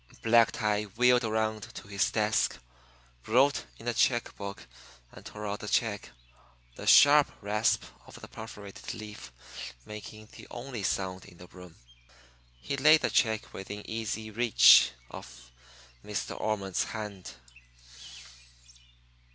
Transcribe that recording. Black Tie wheeled around to his desk, wrote in a check book and tore out the check, the sharp rasp of the perforated leaf making the only sound in the room. He laid the check within easy reach of Miss De Ormond's hand.